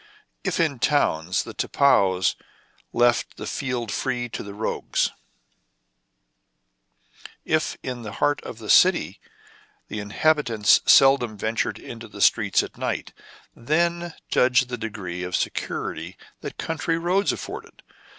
If in towns the tipaos left the field free to rogues, if in the heart of the city the inhabitants seldom ventured into the streets at night, then judge the degree of security that country roads afforded.